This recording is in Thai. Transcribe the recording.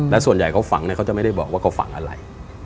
และส่วนใหญ่เขาฝังเนี่ยเขาจะไม่ได้บอกว่าเขาฝังอะไร